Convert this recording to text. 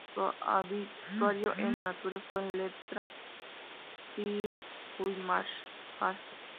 Su obituario enn "Nature" fue letra de Sir Guy Marshall.